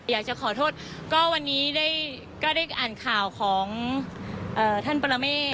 อยากจะขอโทษก็วันนี้ก็ได้อ่านข่าวของท่านปรเมฆ